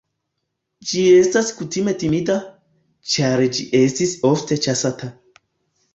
Ĝi estas kutime timida, ĉar ĝi estis ofte ĉasata.